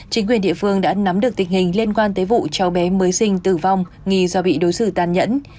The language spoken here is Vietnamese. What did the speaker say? chính quyền địa phương đã nắm được tình hình liên quan tới vụ cháu bé mới sinh tử vong nghi do bị đối xử tan nhẫn